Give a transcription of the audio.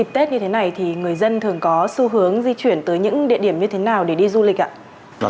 trong dịp tết như thế này người dân thường có xu hướng di chuyển tới những địa điểm như thế nào để đi du lịch ạ